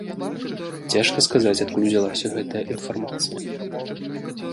Цяжка сказаць, адкуль узялася гэтая інфармацыя.